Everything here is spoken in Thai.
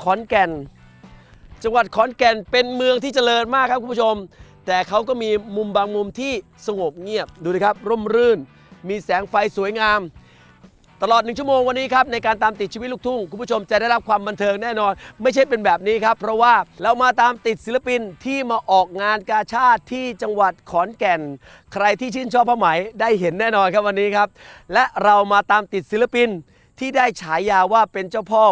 ขอนแก่นจังหวัดขอนแก่นเป็นเมืองที่เจริญมากครับคุณผู้ชมแต่เขาก็มีมุมบางมุมที่สงบเงียบดูดิครับร่มรื่นมีแสงไฟสวยงามตลอด๑ชั่วโมงวันนี้ครับในการตามติดชีวิตลุกทุ่งคุณผู้ชมจะได้รับความบันเทิงแน่นอนไม่ใช่เป็นแบบนี้ครับเพราะว่าเรามาตามติดศิลปินที่มาออกงานกาชาติที่จังหวัดขอน